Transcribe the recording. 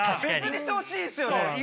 別にしてほしいですよね。